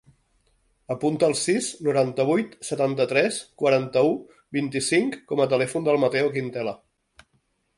Apunta el sis, noranta-vuit, setanta-tres, quaranta-u, vint-i-cinc com a telèfon del Matteo Quintela.